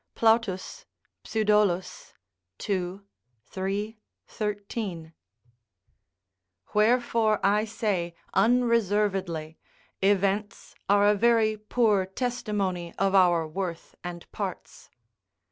Plautus, Pseudol., ii. 3, 13.] wherefore I say unreservedly, events are a very poor testimony of our worth and parts.